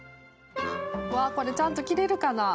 これちゃんと切れるかな。